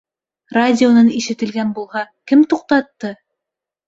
Радионан ишетелгән булһа, кем туҡтатты?